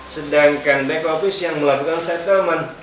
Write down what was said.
sedangkan back office yang melakukan settlement